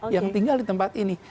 yang tinggal di tempat ini